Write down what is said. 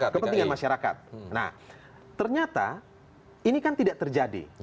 kepentingan masyarakat nah ternyata ini kan tidak terjadi